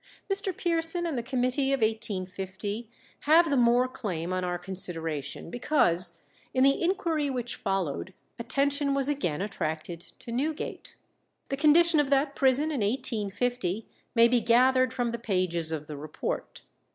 Mr. Pearson and the committee of 1850 have the more claim on our consideration, because, in the inquiry which followed, attention was again attracted to Newgate. The condition of that prison in 1850 may be gathered from the pages of the report.